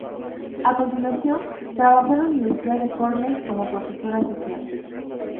A continuación, trabajó en la Universidad de Cornell como profesora asociada.